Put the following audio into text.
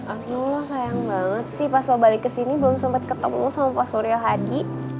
aduh lo sayang banget sih pas lo balik ke sini belum sempet ketemu sama pak suryo hadi